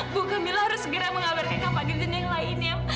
bu camilla harus segera mengabarkan ke pak gede dan yang lainnya